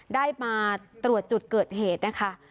ได้มาตรวจจุดเกิดเหตุนะคะ